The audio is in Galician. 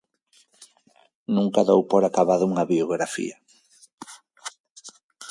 Nunca dou por acabada unha biografía.